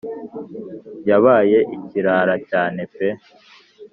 yabaye ikirara cyane pe